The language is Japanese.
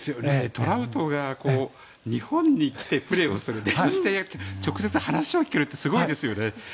トラウトが日本に来てプレーをするってそして直接、話を聞けるってすごいですよね。